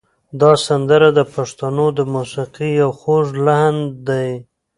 دا سندره د پښتنو د موسیقۍ یو خوږ لحن دی.